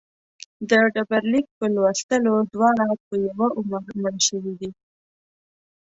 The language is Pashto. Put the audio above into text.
د ډبرلیک په لوستلو دواړه په یوه عمر مړه شوي دي.